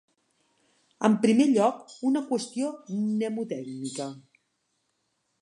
En primer lloc, una qüestió mnemotècnica.